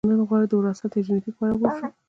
نن غواړو د وراثت یا ژنیتیک په اړه پوه شو